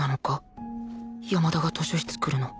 山田が図書室来るの